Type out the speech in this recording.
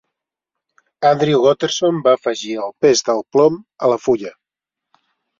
Andrew Gotterson va afegir el pes del plom a la fulla.